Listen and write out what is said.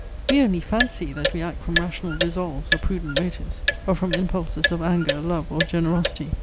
We only fancy, that we act from rational resolves, or prudent motives, or from impulses of anger, love, or generosity.